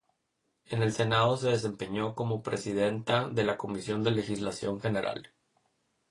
En el senado se desempeñó como presidenta de la Comisión de Legislación General.